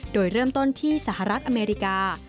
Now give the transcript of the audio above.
โดยเริ่มต้นที่สหรัฐอเมริกา